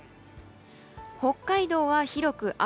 北海道は広く雨。